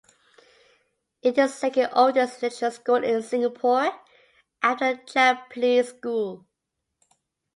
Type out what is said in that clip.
It is the second oldest International School in Singapore after the Japanese School.